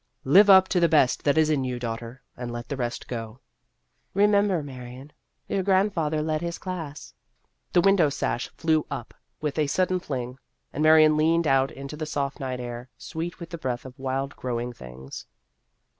" Live up to the best that is in you, daughter, and let the rest go." " Remember, Marion, your grandfather led his class." The window sash flew up with a sud den fling, and Marion leaned out into the soft night air, sweet with the breath of wild growing things.